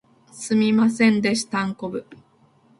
すみませんでしたんこぶ